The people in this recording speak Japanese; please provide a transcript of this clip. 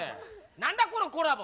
何だこのコラボ。